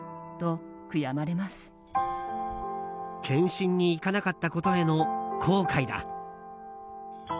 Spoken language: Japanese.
検診に行かなかったことへの後悔だ。